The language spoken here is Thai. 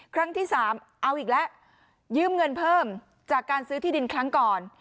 ครั้งที่สามเอาอีกแล้วยืมเงินเพิ่มจากการซื้อที่ดินครั้งก่อน